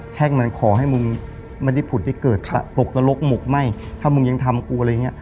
แช่งมาแล้วขอให้มุมมันได้ผุดได้เกิดตะตกตะรกหมกไหม้ถ้ามุมยังทำกูอะไรอย่างเงี้ย